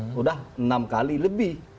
sudah enam kali lebih